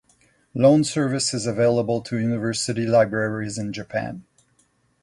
Loan service is available to university libraries in Japan.